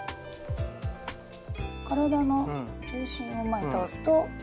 体の重心を前に倒すと。